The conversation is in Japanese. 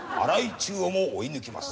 注をも追い抜きます。